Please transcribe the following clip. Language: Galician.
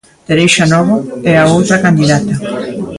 Tereixa Novo é a outra candidata.